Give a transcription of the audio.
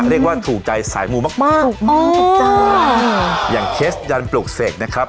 เรียกว่าถูกใจสายมูมากมากถูกต้องจ้าอย่างเคสยันปลูกเสกนะครับ